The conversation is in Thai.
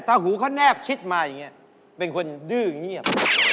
ถ้าหูเขาแนบชิดมาอย่างนี้เป็นคนดื้อเงียบ